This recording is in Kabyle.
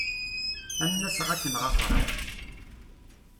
Ad n-aseɣ ad ken-ɣafṛeɣ.